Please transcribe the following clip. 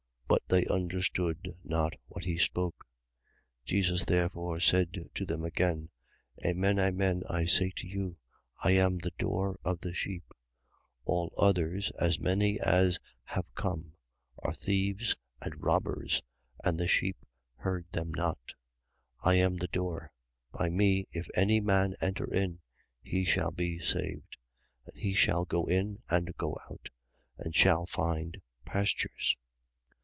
But they understood not what he spoke. 10:7. Jesus therefore said to them again: Amen, amen, I say to you, I am the door of the sheep. 10:8. All others, as many as have come, are thieves and robbers: and the sheep heard them not. 10:9. I am the door. By me, if any man enter in, he shall be saved: and he shall go in and go out, and shall find pastures.